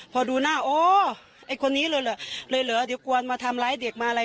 พอดูหน้าอ๋อไอ้คนนี้เลยเหรอเลยเหรอเดี๋ยวกวนมาทำร้ายเด็กมาอะไร